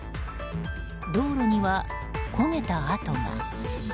道路には焦げた跡が。